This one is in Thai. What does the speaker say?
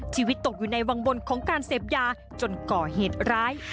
ชีวิตตกอยู่ในวังบนของการเสพยาจนก่อเหตุร้าย